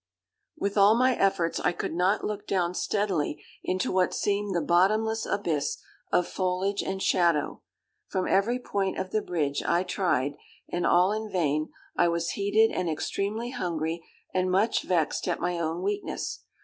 "With all my efforts, I could not look down steadily into what seemed the bottomless abyss of foliage and shadow. From every point of the bridge I tried, and all in vain. I was heated and extremely hungry, and much vexed at my own weakness.